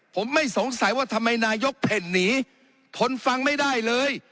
ผมไม่สงสัยว่าทำไมนายกเพ่นหนีทนฟังไม่ได้เลย